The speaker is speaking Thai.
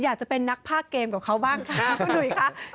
อยากจะเป็นนักภาคเกมกับเขาบ้างครับสมุยคะ